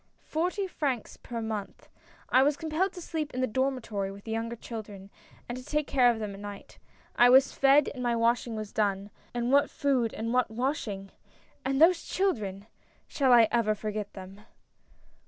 "Forty francs per month. I was compelled to sleep in the dormitory with the younger children, and to take care of them at night. I was fed and my washing was done — and what food and what washing ! and those children — shall I ever forget them